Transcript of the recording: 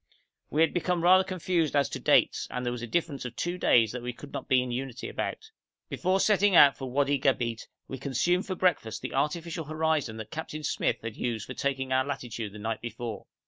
We had become rather confused as to dates, and there was a difference of two days that we could not be in unity about. Before setting out for Wadi Gabeit we consumed for breakfast the artificial horizon that Captain Smyth had used for taking our latitude the night before.